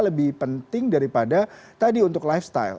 lebih penting daripada tadi untuk lifestyle